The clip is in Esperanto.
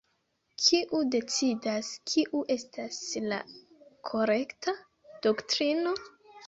Kiu decidas kiu estas la "korekta" doktrino?